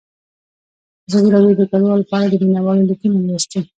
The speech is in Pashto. ازادي راډیو د کډوال په اړه د مینه والو لیکونه لوستي.